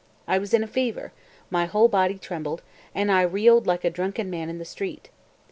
I was in a fever, my whole body trembled, and I reeled like a drunken man in the street.